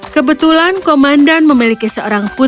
kebetulan komandan memiliki seorang anak muda